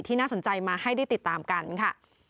น่าสนใจมาให้ได้ติดตามกันค่ะ